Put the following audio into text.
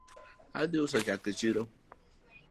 Adhi uso chak e chiro